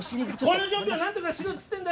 この状況なんとかしろっつってんだよ！